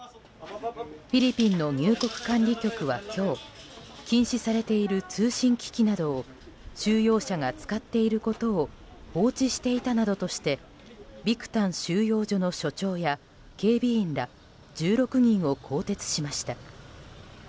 フィリピンの入国管理局は今日禁止されている通信機器などを収容者が使っていることを放置していたなどとしてビクタン収容所の所長や警備員ら１６人を更迭しました。